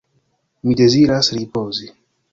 Mi deziras ripozi.